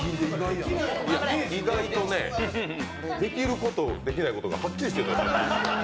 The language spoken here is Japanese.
意外と、できること、できないことがはっきりしてるんです。